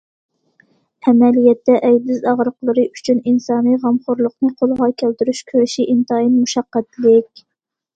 ئەمەلىيەتتە، ئەيدىز ئاغرىقلىرى ئۈچۈن ئىنسانىي غەمخورلۇقنى قولغا كەلتۈرۈش كۈرىشى ئىنتايىن مۇشەققەتلىك.